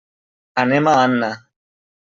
Anem a Anna.